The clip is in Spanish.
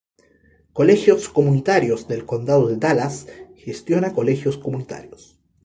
Colegios Comunitarios del Condado de Dallas gestiona colegios comunitarios.